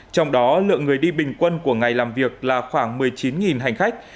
trong đó lượng người đi bình quân của ngày làm việc là khoảng một mươi chín hành khách